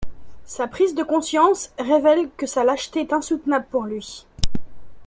Sa prise de conscience révèle que sa lâcheté est insoutenable pour lui.